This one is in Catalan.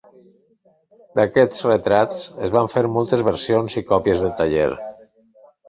D'aquests retrats es van fer moltes versions i còpies de taller.